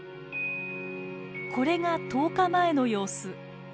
これが１０日前の様子。